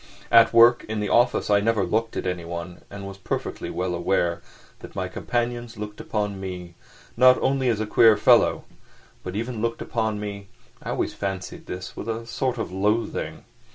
At work in the office I never looked at anyone, and was perfectly well aware that my companions looked upon me, not only as a queer fellow, but even looked upon me—I always fancied this—with a sort of loathing.